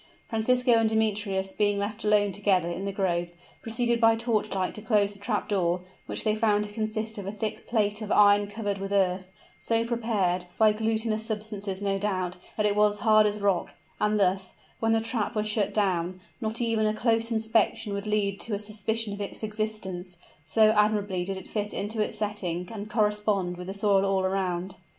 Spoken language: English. Francisco and Demetrius, being left alone together in the grove, proceeded by torchlight to close the trap door, which they found to consist of a thick plate of iron covered with earth, so prepared, by glutinous substances no doubt, that it was hard as rock; and thus, when the trap was shut down, not even a close inspection would lead to a suspicion of its existence, so admirably did it fit into its setting and correspond with the soil all around.